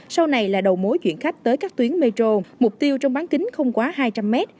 sau này là đầu mối chuyển khách tới các tuyến metro mục tiêu trong bán kính không quá hai trăm linh mét